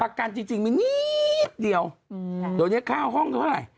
กันจริงมีนิดเดียวเดี๋ยวนี้ค่าห้องเท่าไหร่